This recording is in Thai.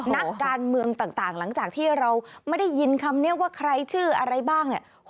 นักการเมืองต่างหลังจากที่เราไม่ได้ยินคำนี้ว่าใครชื่ออะไรบ้างเนี่ย